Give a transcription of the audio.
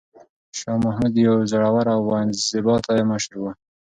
شاه محمود یو زړور او با انضباطه مشر و.